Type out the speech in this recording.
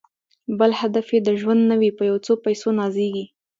بل هدف یې د ژوند نه وي په یو څو پیسو نازیږي